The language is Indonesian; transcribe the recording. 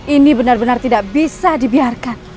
ini benar benar tidak bisa dibiarkan